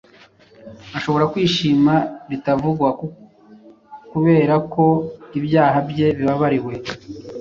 ashobora kwishima bitavugwa kubera ko ibyaha bye bibabariwe